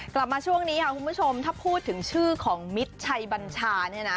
กลับมาช่วงนี้คุณผู้ชมถ้าพูดถึงชื่อของมิตรชัยบัญชา